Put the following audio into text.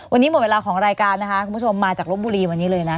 วันนี้หมดเวลาของรายการนะคะคุณผู้ชมมาจากลบบุรีวันนี้เลยนะ